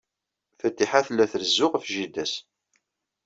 Fatiḥa tella trezzu ɣef jida-s.